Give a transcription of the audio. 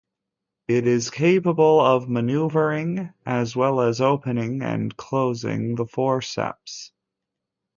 It is capable of maneuvering as well as opening and closing the forceps.